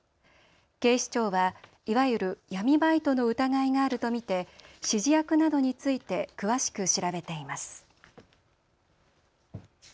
警視庁はいわゆる闇バイトの疑いがあると見て指示役などについて詳しく調べています。